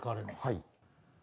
はい。